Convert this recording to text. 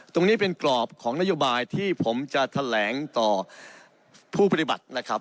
ตรงนี้เป็นกรอบของนโยบายที่ผมจะแถลงต่อผู้ปฏิบัตินะครับ